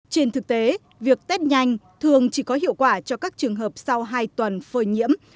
trên thực tế việc test nhanh thường chỉ có hiệu quả cho các trường hợp sau hai tuần phơi nhiễm